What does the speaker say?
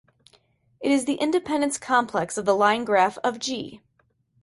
It is the independence complex of the line graph of "G".